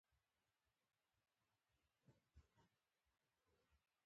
کوربه د ښه چلند استاد وي.